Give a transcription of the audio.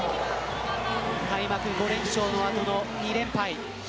開幕５連勝の後の２連敗。